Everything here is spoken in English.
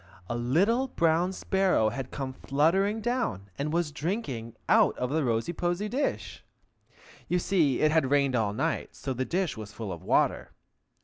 A little brown sparrow had come fluttering down, and was drinking out of the rosy posy dish. (You see, it had rained all night, so the dish was full of water.)